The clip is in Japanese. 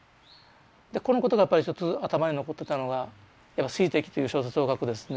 このことがやっぱり一つ頭に残ってたのが「水滴」という小説を書くですね